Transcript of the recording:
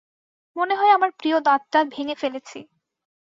মনে হয় আমার প্রিয় দাঁতটা ভেঙে ফেলেছি।